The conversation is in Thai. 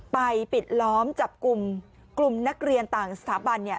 ปิดล้อมจับกลุ่มกลุ่มนักเรียนต่างสถาบันเนี่ย